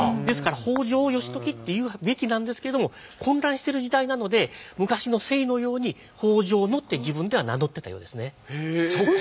ですから北条義時って言うべきなんですけれども混乱してる時代なので昔の姓のように北条って自分では名乗ってたようですね。